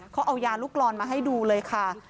เขาเอายาลูกรอนมาให้ดูเลยค่ะ